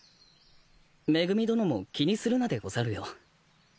恵殿も気にするなでござるよ。